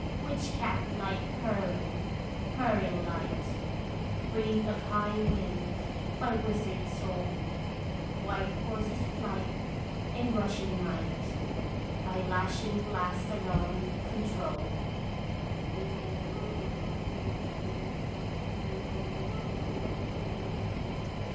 Witch cat light purring, purrring light, Breathe of high wind by wizard sold, White horses' flight in rushing might By lashing blast alone controlled.